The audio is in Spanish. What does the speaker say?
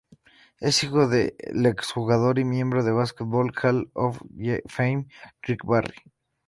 Es hijo del exjugador y miembro del Basketball Hall of Fame Rick Barry.